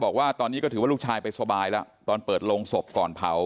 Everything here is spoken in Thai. บอกว่าตอนนี้ก็ถือว่าลูกชายไปสบายแล้วตอนเปิดโรงศพก่อนเผา